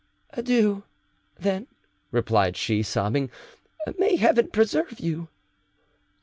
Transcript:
"Adieu, then," replied she, sobbing; "may Heaven preserve you!"